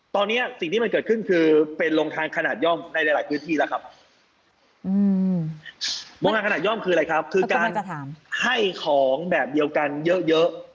ตอนนี้สิ่งที่มันเกิดขึ้นคือเป็นโรงทางขนาดย่อมในหลายพื้นที่แล้วครับ